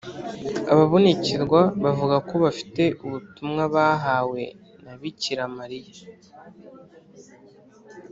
ababonekerwa bavuga ko bafite ubutumwa bahawe na bikira mariya